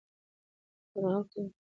يرغل کوي